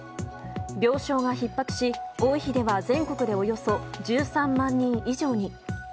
病床がひっ迫し、多い日では全国でおよそ１３万人以上に。